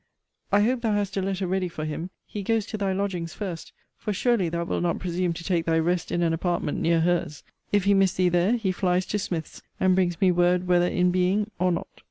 I hope thou hast a letter ready for him. He goes to thy lodgings first for surely thou wilt not presume to take thy rest in an apartment near her's. If he miss thee there, he flies to Smith's, and brings me word whether in being, or not.